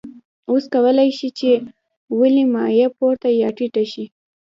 اوس کولی شئ چې ولې مایع پورته یا ټیټه ځي.